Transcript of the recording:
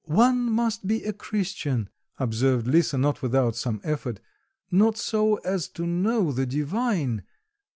"One must be a Christian," observed Lisa, not without some effort, "not so as to know the divine...